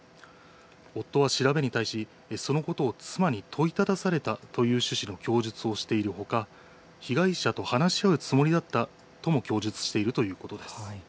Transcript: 夫は調べに対し、そのことを妻に問いただされたという趣旨の供述をしているほか、被害者と話し合うつもりだったとも供述しているということです。